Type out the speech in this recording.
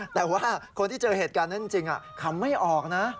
แต่ว่าคนที่เจอเหตุการณ์นั้นจริงคำไม่ออกนะ